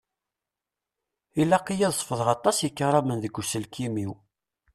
Ilaq-iyi ad sefḍeɣ aṭas ikaramen deg uselkim-iw.